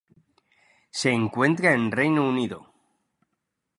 Se encuentra en Reino Unido.